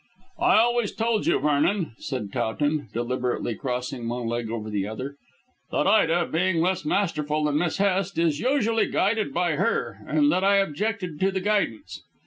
"I always told you, Vernon," said Towton, deliberately crossing one leg over the other, "that Ida, being less masterful than Miss Hest, is usually guided by her, and that I objected to the guidance.